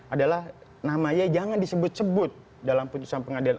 adalah namanya jangan disebut sebut dalam putusan pengadilan